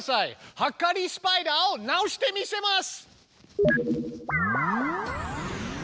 はかりスパイダーを直してみせます！